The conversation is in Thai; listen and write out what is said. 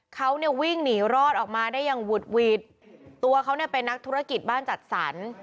เขาเนี่ยวิ่งหนีรอดออกมาได้อย่างหุดหวิดตัวเขาเนี่ยเป็นนักธุรกิจบ้านจัดสรร